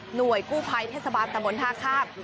หน่วยกู้ไภเทศบันตำบลท่าข้าม